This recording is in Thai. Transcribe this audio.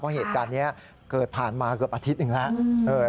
เพราะเหตุการณ์นี้เกิดผ่านมาเกือบอาทิตย์หนึ่งแล้ว